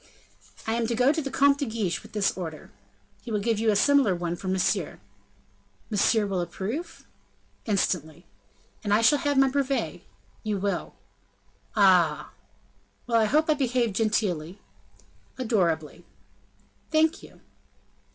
"I am to go to the Comte de Guiche with this order?" "He will give you a similar one for Monsieur." "Monsieur will approve?" "Instantly." "And I shall have my brevet?" "You will." "Ah!" "Well, I hope I behave genteely?" "Adorably." "Thank you."